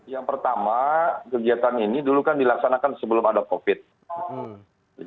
yang pertama kegiatan ini dulu kan dilaksanakan sebelum ada covid